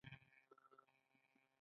د مچیو ساتنه څومره وده کړې؟